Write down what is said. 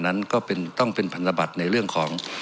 นั้นก็ต้องเป็นพันธบัตรในเรื่องของ